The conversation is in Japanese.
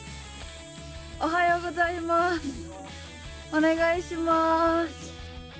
おはようございますお願いします。